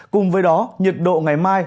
cùng với đó nhiệt độ ngày mai